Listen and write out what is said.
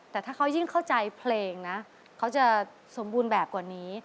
แต่ถ้าเขายิ่งเข้าใจเพลงนะเขาจะสมบูรณ์แบบกว่านี้